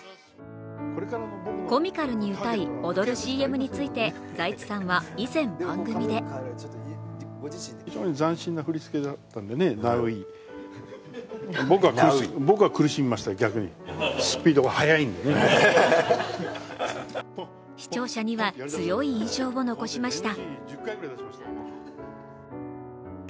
コミカルに歌い踊るＣＭについて財津さんは以前番組で視聴者には強い印象を残しました。